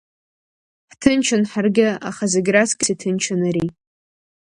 Ҳҭынчын ҳаргьы, аха зегь раҵкыс иҭынчын ари…